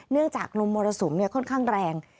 เนื่องจากนมมรสุมค่อนข้างแรง